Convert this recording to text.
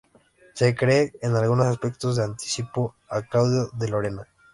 Se cree que en algunos aspectos se anticipó a Claudio de Lorena.